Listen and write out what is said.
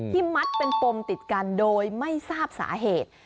มัดเป็นปมติดกันโดยไม่ทราบสาเหตุ